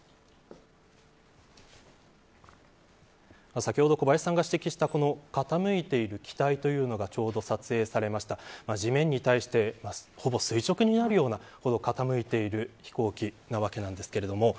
先ほど小林さんが指摘した傾いている機体というのがちょうど撮影されました地面に対してほぼ垂直になるようなほぼ傾いている飛行機なわけなんですけども。